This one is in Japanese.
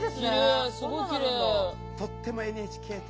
とてもＮＨＫ的。